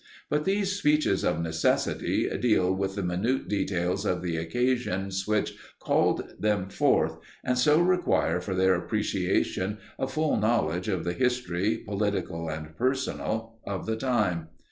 But these speeches of necessity deal with the minute details of the occasions which called them forth, and so require for their appreciation a full knowledge of the history, political and personal, of the time.